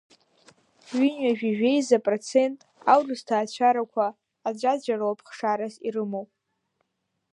Ҩынҩажәи жәеиза процент аурыс ҭаацәарақәа аӡәаӡәа роуп хшарас ирымоу.